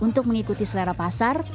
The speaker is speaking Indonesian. untuk mengikuti selera pasar